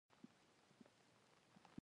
پاڼې به مځکې ته رالوېدې، چې هلته يې لیدل.